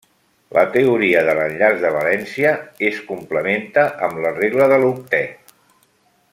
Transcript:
La teoria de l'enllaç de valència es complementa amb la regla de l'octet.